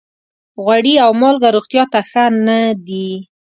غوړي او مالګه روغتیا ته ښه نه دي.